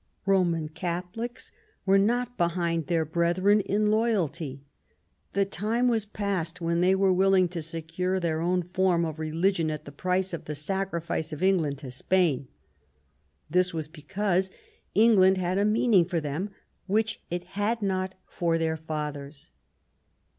Roman Catholics were not behind their brethren in loyalty. The time was past when they were willing to secure their own form of religion at the price of the sacrifice of England to Spain. This was because England had a meaning for them which it had not for their fathers.